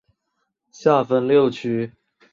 下分六区。